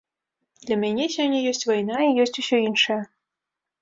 Для мяне сёння ёсць вайна і ёсць усё іншае.